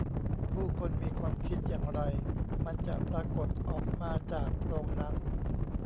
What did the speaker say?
ผู้คนมีความคิดอย่างไร มันจะปรากฎออกมาจากโพรงนั้น